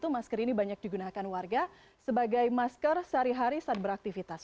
masker ini banyak digunakan warga sebagai masker sehari hari saat beraktivitas